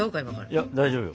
いや大丈夫。